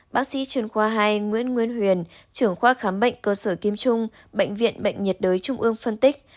bác sĩ chuyên khoa hai nguyễn nguyên huyền trưởng khoa khám bệnh cơ sở kim trung bệnh viện bệnh nhiệt đới trung ương phân tích